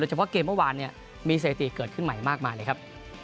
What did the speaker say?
โดยเฉพาะเกมเมื่อวานมีเศรษฐีเกิดขึ้นใหม่มากมายเลยครับ